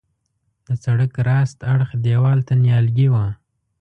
د سړک راست اړخ دیوال ته نیالګي وه.